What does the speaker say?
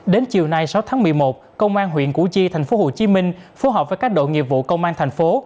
đến chiều nay sáu tháng một mươi một công an huyện củ chi thành phố hồ chí minh phối hợp với các đội nghiệp vụ công an thành phố